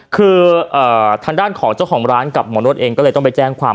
คือทางด้านของเจ้าของร้านกับหมอนวดเองก็เลยต้องไปแจ้งความ